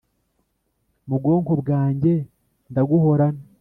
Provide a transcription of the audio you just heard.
Mubwonko bwanjye ndaguhorana